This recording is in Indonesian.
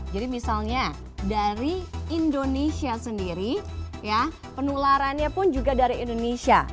jadi misalnya dari indonesia sendiri ya penularannya pun juga dari indonesia